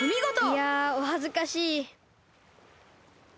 いやおはずかしい。